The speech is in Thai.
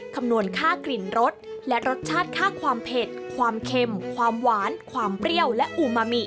คำนวณค่ากลิ่นรสและรสชาติค่าความเผ็ดความเค็มความหวานความเปรี้ยวและอูมามิ